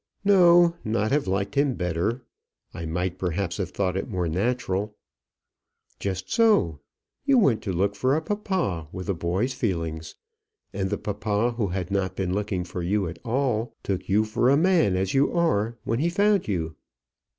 "No, not have liked him better; I might perhaps have thought it more natural." "Just so; you went to look for a papa with a boy's feelings, and the papa, who had not been looking for you at all, took you for a man as you are when he found you."